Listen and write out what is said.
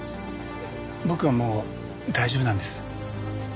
僕はもう大丈夫なんです。